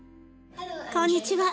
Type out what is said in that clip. こんにちは。